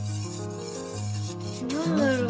何だろう？